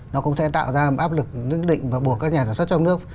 nó cũng sẽ tạo ra áp lực nhất định và buộc các nhà sản xuất trong nước